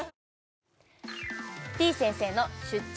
てぃ先生の出張！